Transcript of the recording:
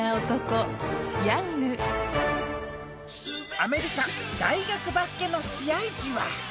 アメリカ大学バスケの試合じわ。